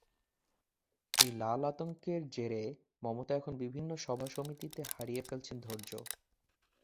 এই লাল আতঙ্কের জেরে মমতা এখন বিভিন্ন সভা সমিতিতে হারিয়ে ফেলছেন ধৈর্য।